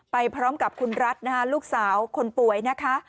ไปพร้อมกับคุณรัฐนะคะลูกสาวคนป่วยนะคะ